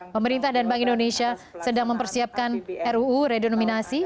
pemerintah dan bank indonesia sedang mempersiapkan ruu redenominasi